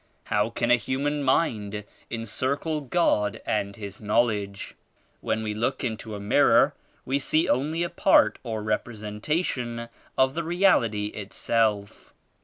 How can a human mind encircle God and His Knowl edge? When we look into a mirror we see only a part or representation of the Reality Itself.